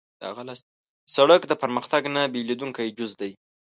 سړک د پرمختګ نه بېلېدونکی جز دی.